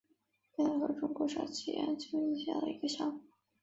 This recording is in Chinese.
坝河乡是中国陕西省安康市汉滨区下辖的一个乡。